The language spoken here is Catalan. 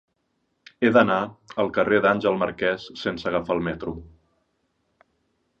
He d'anar al carrer d'Àngel Marquès sense agafar el metro.